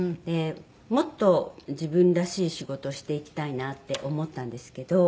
もっと自分らしい仕事をしていきたいなって思ったんですけど